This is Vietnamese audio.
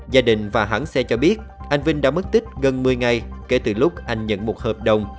gia đình và hãng xe cho biết anh vinh đã mất tích gần một mươi ngày kể từ lúc anh nhận một hợp đồng